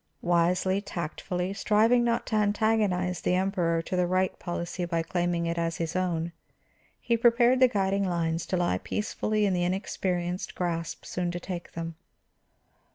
Wisely, tactfully, striving not to antagonize the Emperor to the right policy by claiming it as his own, he prepared the guiding lines to lie peacefully in the inexperienced grasp soon to take them.